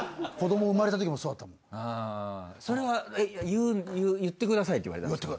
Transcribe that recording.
それは言ってくださいって言われたんですか？